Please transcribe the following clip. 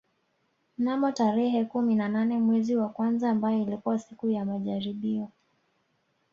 Mnamo tarehe kumi na nane mwezi wa kwanza mbayo ilikuwa siku ya majaribio